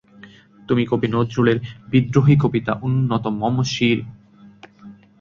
তুমি কবি নজরুলের বিদ্রোহী কবিতা উন্নত মম্ শীর।